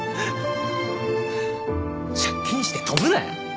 借金して飛ぶなよ。